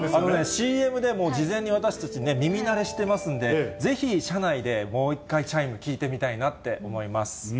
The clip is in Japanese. ＣＭで事前に私たち、耳慣れしてますんで、ぜひ、車内でもう一回、チャイム聞いてみたいなって思います。